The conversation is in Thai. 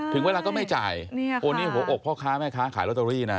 ถึงเวลาก็ไม่จ่ายโอ้นี่หัวอกพ่อค้าแม่ค้าขายลอตเตอรี่นะ